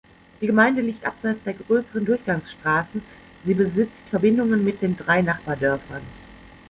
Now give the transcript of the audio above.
Die Gemeinde liegt abseits der grösseren Durchgangsstrassen, sie besitzt Verbindungen mit den drei Nachbardörfern.